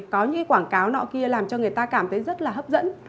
có những quảng cáo nọ kia làm cho người ta cảm thấy rất là hấp dẫn